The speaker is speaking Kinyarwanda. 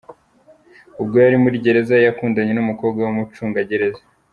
Ubwo yari muri gereza ,yakundanye n’umukobwa w’umucungagereza .